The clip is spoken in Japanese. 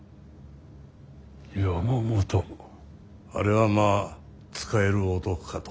あれはまあ使える男かと。